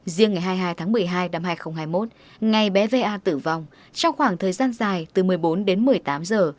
riêng ngày hai mươi hai tháng một mươi hai năm hai nghìn hai mươi một ngày bé va tử vong trong khoảng thời gian dài từ một mươi bốn đến một mươi tám giờ